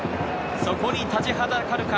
そこに立ちはだかるか？